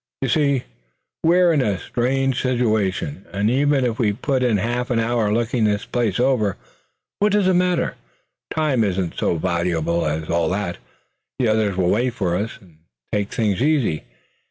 "You see, we're in a strange situation, and even if we put in half an hour looking this place over, what does it matter? Time isn't so valuable as all that. The others will wait for us, and take things easy.